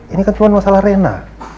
ini kan cuma masalah rena